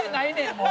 もう。